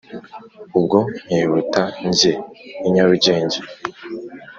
ubwo nkihuta njye i nyarugenge